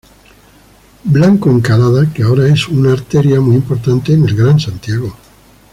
Blanco Encalada, que ahora es una arteria muy importante en el Gran Santiago.